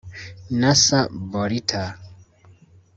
Nasser Bourita